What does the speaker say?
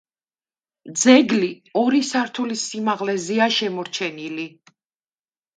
ძეგლი ორი სართულის სიმაღლეზეა შემორჩენილი.